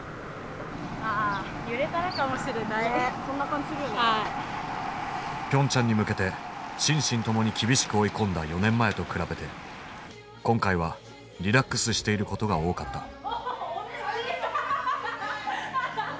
考え方的にピョンチャンに向けて心身ともに厳しく追い込んだ４年前と比べて今回はリラックスしていることが多かった。